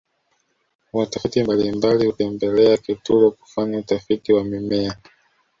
watafiti mbalimbali hutembelea kitulo kufanya utafiti wa mimea